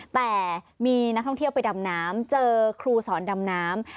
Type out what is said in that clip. แต่มีนักท่องเที่ยวไปดำน้ำเจอครูสอนดำน้ำ